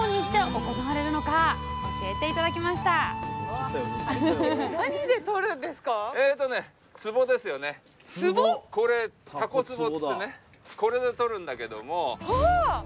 これでとるんだけども。